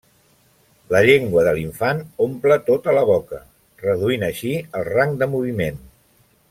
La llengua de l'infant omple tota la boca, reduint així el rang de moviment.